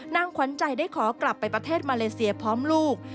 ขวัญใจได้ขอกลับไปประเทศมาเลเซียพร้อมลูก